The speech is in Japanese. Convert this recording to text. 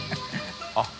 あっ！